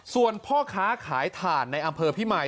ส่วนพ่อค้าขายถ่านในอำเภอพิมาย